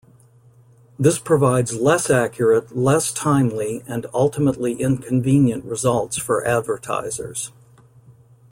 This provides less-accurate, less-timely, and ultimately inconvenient results for advertisers.